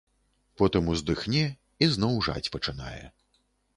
Потым уздыхне і зноў жаць пачынае.